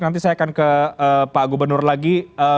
nanti saya akan ke pak gubernur lagi